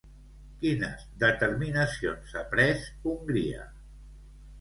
Quines determinacions ha pres Hongria?